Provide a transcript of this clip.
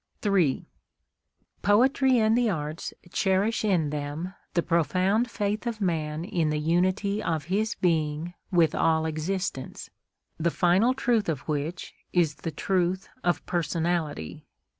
III Poetry and the arts cherish in them the profound faith of man in the unity of his being with all existence, the final truth of which is the truth of personality.